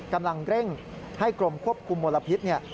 กำลังเร่งให้กรมควบคุมมลพิษเนี่ย